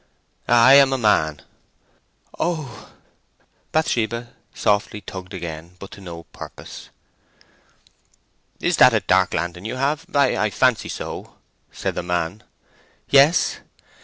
"I am a man." "Oh!" Bathsheba softly tugged again, but to no purpose. "Is that a dark lantern you have? I fancy so," said the man. "Yes."